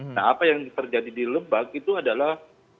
nah apa yang terjadi di lebak itu adalah